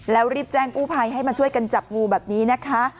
แล้วรีบแจ้งกู้ภัยให้มาช่วยกันจับงูแบบนี้นะคะ